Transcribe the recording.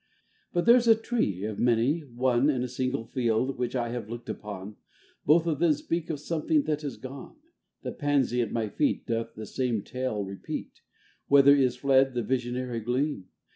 â But there 's a Tree, of many, one, A single Field which I have looked upon, Both of them speak of something that is gone : The Pansy at my feet Doth the same tale repeat : Whither is fled the visionary gleam